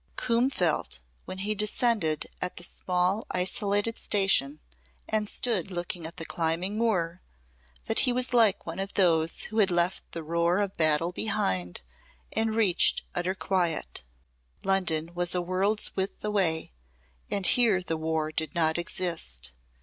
Coombe felt, when he descended at the small isolated station and stood looking at the climbing moor, that he was like one of those who had left the roar of battle behind and reached utter quiet. London was a world's width away and here the War did not exist.